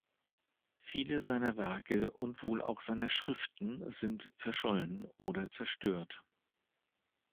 Viele seiner Werke und wohl auch seiner Schriften sind verschollen oder zerstört.